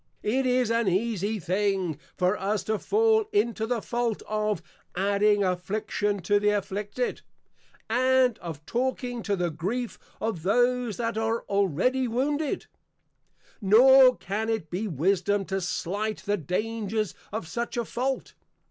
It is an easie thing, for us to fall into the Fault of, Adding Affliction to the Afflicted, and of, Talking to the Grief of those that are already wounded. Nor can it be wisdom to slight the Dangers of such a Fault.